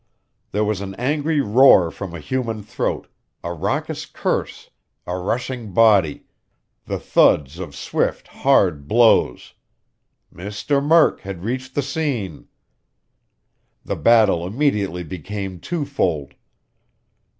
There was an angry roar from a human throat, a raucous curse, a rushing body, the thuds of swift, hard blows. Mr. Murk had reached the scene! The battle immediately became two fold.